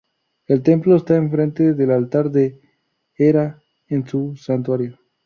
El templo está enfrente del altar de Hera en su santuario.